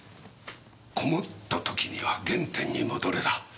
困った時には原点に戻れだ。